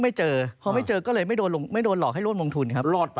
มันก็ไม่เจอก็เลยไม่โดนหลอกให้ลวนวงทุนครับ